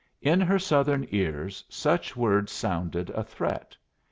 In her Southern ears such words sounded a threat.